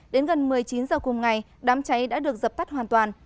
đến gần một mươi chín h cùng ngày đám cháy đã được dập tắt hoàn toàn